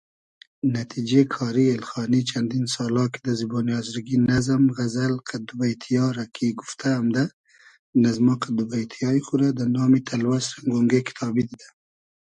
نتیجې کاری اېلخانی چئندین سالا کی دۂ زیبۉنی آزرگی نئزم، غئزئل قئد دو بݷتی یا رۂ کی گوفتۂ امدۂ، نئزما قئد دوبݷتی یای خو رۂ دۂ نامی تئلوئس رئنگ اۉنگې کیتابی دیدۂ